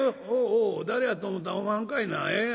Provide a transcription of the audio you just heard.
「おうおう誰やと思うたらおまはんかいな。